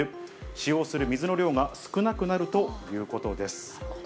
使用する水の量が少なくなるということです。